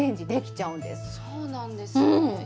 そうなんですね。